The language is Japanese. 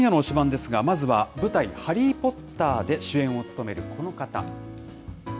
ですが、まずは舞台、ハリー・ポッターで主演を務めるこの方。